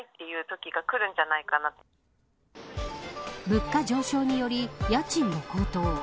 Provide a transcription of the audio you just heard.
物価上昇により、家賃も高騰。